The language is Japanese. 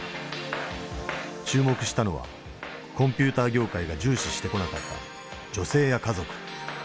注目したのはコンピューター業界が重視してこなかった女性や家族。